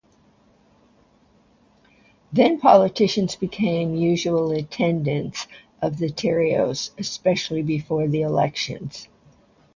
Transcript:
Then politicians became usual attendants of the Terreiros, specially before the elections.